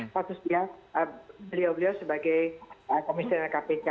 kasus dia beliau beliau sebagai komisioner kpk